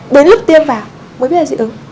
đến lúc tiêm vào mới biết là dị ứng